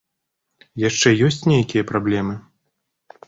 Яшчэ ёсць нейкія праблемы?